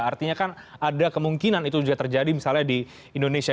artinya kan ada kemungkinan itu juga terjadi misalnya di indonesia